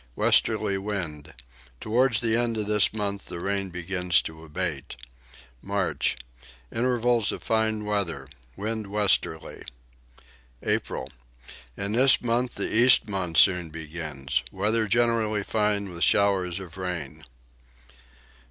Westerly wind. Towards the end of this month the rain begins to abate. March. Intervals of fine weather. Wind westerly. April. In this month the east monsoon begins. Weather generally fine with showers of rain.